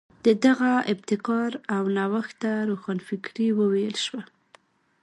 د دغې ابتکار او نوښت ته روښانفکري وویل شوه.